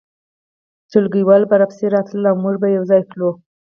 ټولګیوالې به راپسې راتلې او موږ به یو ځای تلو